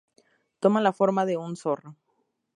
Toma la forma de un zorro.